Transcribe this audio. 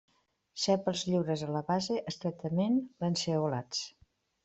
Sèpals lliures a la base, estretament lanceolats.